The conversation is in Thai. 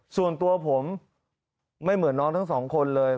ส่วนตัวผมไม่เหมือนน้องทั้งสองคนเลย